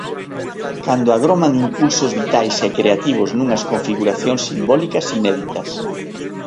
Cando agroman impulsos vitais e creativos nunhas configuracións simbólicas inéditas.